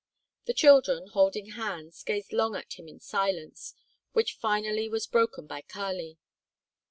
The children, holding hands, gazed long at him in silence, which finally was broken by Kali.